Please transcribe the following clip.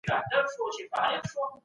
د يتيمانو په خيټو کي به د اور لمبې وي.